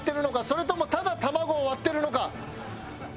それともただ卵を割っているのか？